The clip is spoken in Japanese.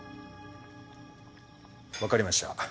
わかりました。